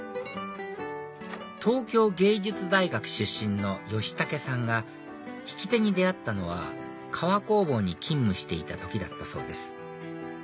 東京藝術大学出身の吉武さんが引き手に出会ったのは革工房に勤務していた時だったそうです